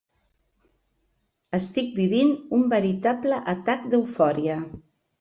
Estic vivint un veritable atac d'eufòria.